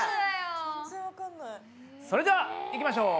それではいきましょう！